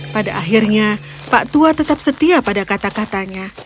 pada akhirnya pak tua tetap setia pada kata katanya